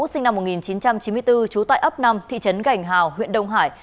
sinh năm một nghìn chín trăm chín mươi bốn trú tại ấp năm thị trấn gành hào huyện đông hải